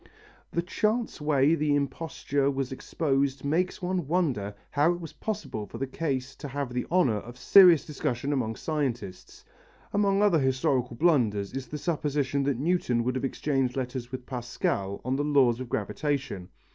The chance way the imposture was exposed makes one wonder how it was possible for the case to have the honour of serious discussion among scientists. Among other historical blunders is the supposition that Newton could have exchanged letters with Pascal on the laws of gravitation.